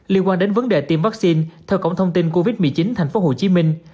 liên quan đến vấn đề tiêm vaccine theo cổng thông tin covid một mươi chín thành phố hồ chí minh